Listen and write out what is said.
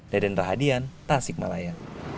deden rahadian tasikmalaya